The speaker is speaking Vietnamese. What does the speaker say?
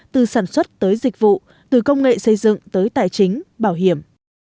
từ sản xuất tới dịch vụ từ công nghệ xây dựng tới tài chính bảo hiểm